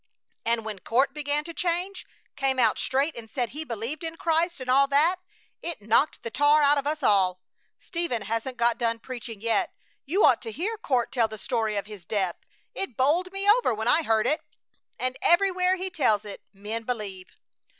And when Court began to change, came out straight and said he believed in Christ, and all that, it knocked the tar out of us all. Stephen hasn't got done preaching yet. You ought to hear Court tell the story of his death. It bowled me over when I heard it, and everywhere he tells it men believe!